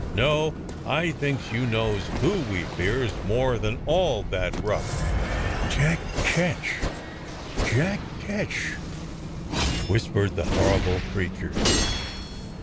— no, I thinks you knows who we fears more than all that ruck? " "Jack Ketch! Jack Ketch!" whispered the horrible creatures.